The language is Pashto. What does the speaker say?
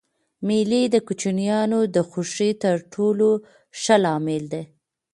مېلې د کوچنيانو د خوښۍ تر ټولو ښه لامل دئ.